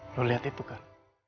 lo liat itu kan